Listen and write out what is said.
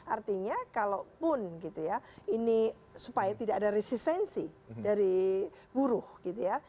artinya kalaupun gitu ya ini supaya tidak ada resistensi dari buruh gitu ya